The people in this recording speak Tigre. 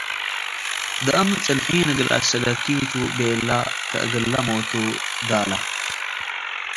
ደአም፤ “ጽንሒኒ እግል አስ'እለኪ ቱ” ቤለ ከእግለ ሞቱ ትዳለ።